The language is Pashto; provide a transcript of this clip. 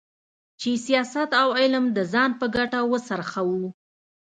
چې سیاست او علم د ځان په ګټه وڅرخوو.